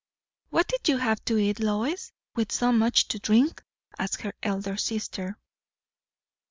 "What did you have to eat, Lois, with so much to drink?" asked her elder sister.